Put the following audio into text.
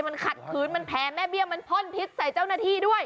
มันขัดขืนมันแพ้แม่เบี้ยมันพ่นพิษใส่เจ้าหน้าที่ด้วย